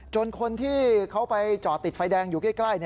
คนที่เขาไปจอดติดไฟแดงอยู่ใกล้